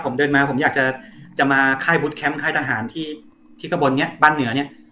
ผมเดินมาผมอยากจะมาค่ายบุตรแคมปค่ายทหารที่ที่กระบวนเนี่ยบ้านเหนือเนี่ย